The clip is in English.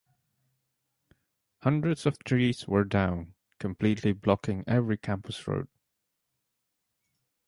Hundreds of trees were down, completely blocking every campus road.